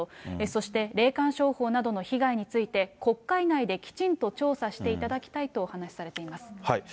そして、霊感商法などの被害について、国会内できちんと調査していただきたいとお話しされています。